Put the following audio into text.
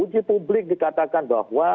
uji publik dikatakan bahwa